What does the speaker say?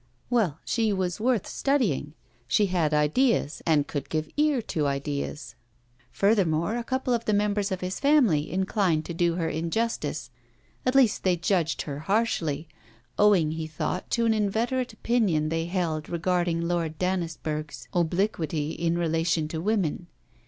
Well, she was worth studying; she had ideas, and could give ear to ideas. Furthermore, a couple of the members of his family inclined to do her injustice. At least, they judged her harshly, owing, he thought, to an inveterate opinion they held regarding Lord Dannisburgh's obliquity in relation to women.